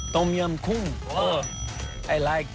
ชั้นไม่ได้กิน